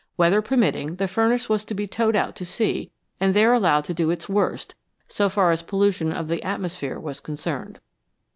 Weather permitting, the furnace was to be towed out to sea, and there allowed to do its worst, so far as pollution of the atmosphere was concerned.